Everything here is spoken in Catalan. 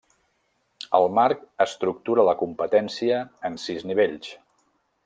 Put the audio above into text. El marc estructura la competència en sis nivells.